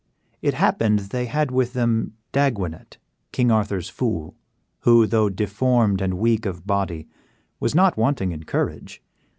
It happened they had with them Daguenet, King Arthur's fool, who, though deformed and weak of body, was not wanting in courage.